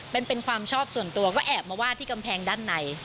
เป็นความชอบส่วนตัวก็แอบมาวาดที่กำแพงด้านใน